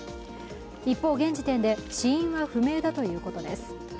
一方、現時点で死因は不明だということです。